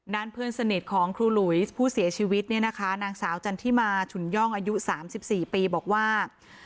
เพื่อนสนิทของครูหลุยผู้เสียชีวิตเนี่ยนะคะนางสาวจันทิมาฉุนย่องอายุ๓๔ปีบอกว่า